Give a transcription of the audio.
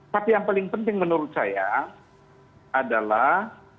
tapi yang paling penting menurut saya adalah